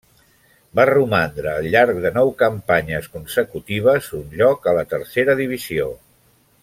Va romandre al llarg de nou campanyes consecutives un lloc a la Tercera divisió.